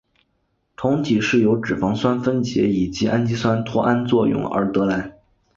酮体是由脂肪酸分解以及氨基酸脱氨作用而得来。